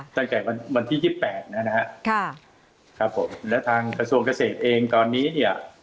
ตั้งแต่วันที่ยี่สิบแปดนะฮะค่ะครับผมและทางกระทรวงเกษตรเองตอนนี้เนี่ย